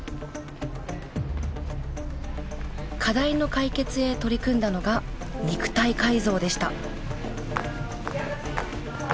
課題の解決へ取り組んだのが肉体改造でした。